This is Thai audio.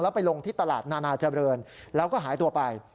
ไปลงที่ตลาดนานาเจริญแล้วก็หายตัวไป